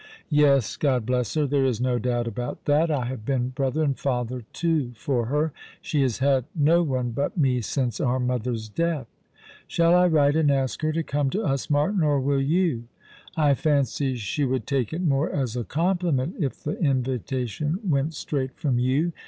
" Yes, God bless her, there is no doubt about that. I have been brother and father too for her. She has had no one but me since our mother's death." " Shall I write and ask her to come to us, Martin, or will you ?"'' I fancy she would take it more as a compliment if the invitation went straight from you.